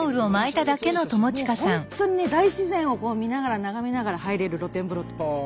もう本当にね大自然を見ながら眺めながら入れる露天風呂。